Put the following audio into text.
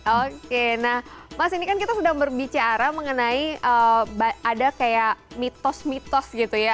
oke nah mas ini kan kita sudah berbicara mengenai ada kayak mitos mitos gitu ya